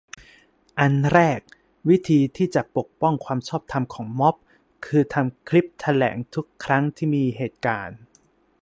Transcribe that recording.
อันแรก วิธีที่จะ ปกป้องความชอบธรรมของม็อบ คือ ทำคลิปแถลงทุกครั้งที่มีเหตุการ